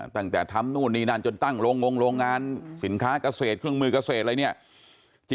ตั้งแต่ทำนู่นนี่นั่นจนตั้งโรงงานสินค้ากเศษเครื่องมือกเศษ